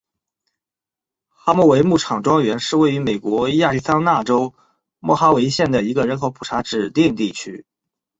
莫哈维牧场庄园是位于美国亚利桑那州莫哈维县的一个人口普查指定地区。